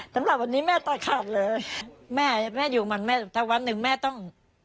สำหรับวันนี้แม่ตัดขาดเลยแม่แม่อยู่มันแม่แต่วันหนึ่งแม่ต้อง